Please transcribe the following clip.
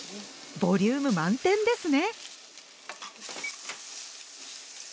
ボリューム満点ですね。